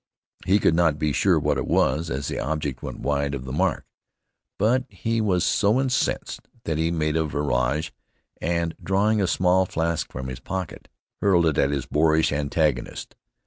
He could not be sure what it was, as the object went wide of the mark; but he was so incensed that he made a virage, and drawing a small flask from his pocket, hurled it at his boorish antagonist.